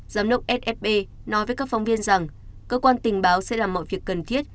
giám đốc sfp nói với các phóng viên rằng cơ quan tình báo sẽ làm mọi việc cần thiết